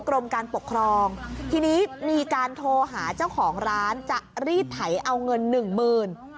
กรมการปกครองทีนี้มีการโทรหาเจ้าของร้านจะรีดไถเอาเงินหนึ่งหมื่น